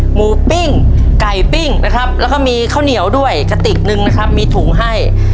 หมูปิ้งไก่ปิ้งนะครับแล้วก็มีข้าวเหนียวด้วยกระติกหนึ่งนะครับมีถุงให้